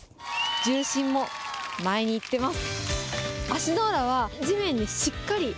重心も前にいってます。